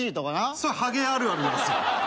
それハゲあるあるなんすよ